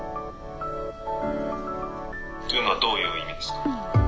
「というのはどういう意味ですか？」。